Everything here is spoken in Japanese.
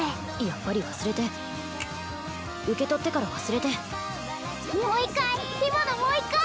やっぱり忘れて受け取ってから忘れてもう一回今のもう一回！